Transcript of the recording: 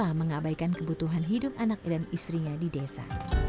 yang mengabaikan kebutuhan hidup anak dan istrinya di desa